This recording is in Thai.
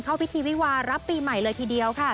เข้าพิธีวิวารับปีใหม่เลยทีเดียวค่ะ